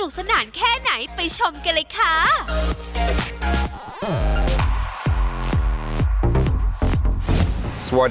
หุ่นเสียบเรียเวิร์ด